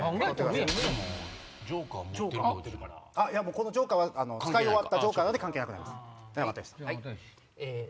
このジョーカーは使い終わったジョーカーなので関係なくなります。